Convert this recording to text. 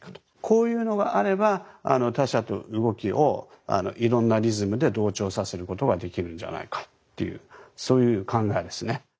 こういうのがあれば他者と動きをいろんなリズムで同調させることができるんじゃないかっていうそういう考えですね。